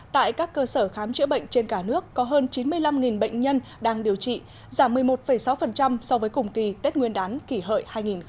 tại các cơ sở khám chữa bệnh trên cả nước có hơn chín mươi năm bệnh nhân đang điều trị giảm một mươi một sáu so với cùng kỳ tết nguyên đán kỷ hợi hai nghìn một mươi chín